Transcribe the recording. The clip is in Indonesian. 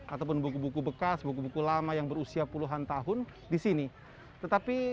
ataupun buku buku bekas buku buku lama yang berusia puluhan tahun di sini